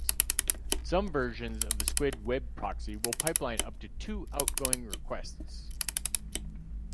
Some versions of the Squid web proxy will pipeline up to two outgoing requests.